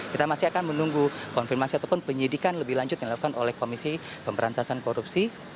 kita masih akan menunggu konfirmasi ataupun penyidikan lebih lanjut yang dilakukan oleh komisi pemberantasan korupsi